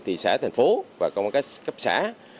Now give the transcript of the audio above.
thị xã thành phố và công an các cấp xã